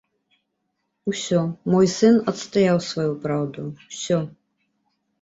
Усё, мой сын адстаяў сваю праўду, усё!